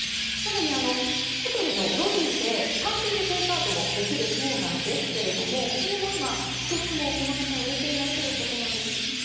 更に、ホテルのロビーで単品でテイクアウトもできるそうなんですがそれも１つも売れていないということなんです。